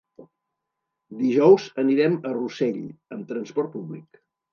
Dijous anirem a Rossell amb transport públic.